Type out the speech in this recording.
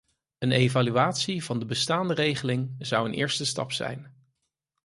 Een evaluatie van de bestaande regeling zou een eerste stap zijn.